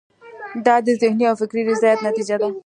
دا د ذهني او فکري ریاضت نتیجه ده.